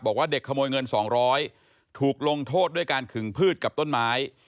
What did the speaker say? บอกว่าเด็กขโมยเงิน๒๐๐ถูกลงโทษด้วยการขึงพืชกับต้นไม้